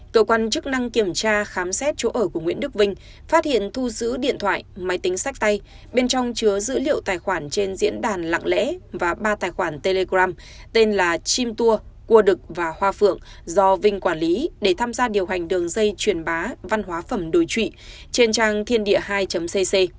cơ quan chức năng kiểm tra khám xét chỗ ở của nguyễn đức vinh phát hiện thu giữ điện thoại máy tính sách tay bên trong chứa dữ liệu tài khoản trên diễn đàn lặng lẽ và ba tài khoản telegram tên là chim tour cua đực và hoa phượng do vinh quản lý để tham gia điều hành đường dây truyền bá văn hóa phẩm đối trụy trên trang thiên địa hai cc